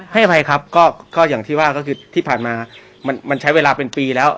ให้อภัยครับก็ที่ผ่านมามันใช้เวลาเป็นปีแล้ว